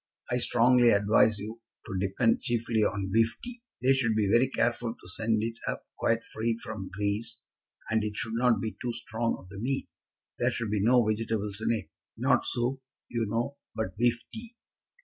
I strongly advise you to depend chiefly on beef tea. They should be very careful to send it up quite free from grease, and it should not be too strong of the meat. There should be no vegetables in it. Not soup, you know, but beef tea.